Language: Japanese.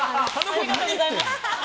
ありがとうございます。